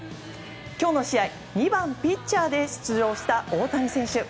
今日の試合２番ピッチャーで出場した大谷選手。